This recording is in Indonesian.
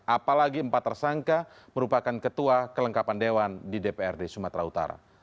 apalagi empat tersangka merupakan ketua kelengkapan dewan di dprd sumatera utara